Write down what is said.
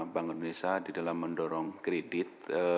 bank indonesia di dalam mendorong kredit